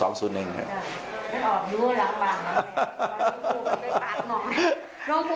ออกดูหรือหลักหลัก